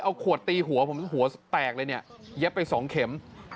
เอาขวดตีหัวผมหัวแตกเลยเนี่ยเย็บไปสองเข็ม